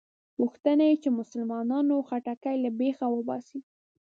غوښته یې چې مسلمانانو خټکی له بېخه وباسي.